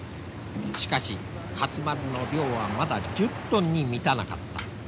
しかし勝丸の漁はまだ１０トンに満たなかった。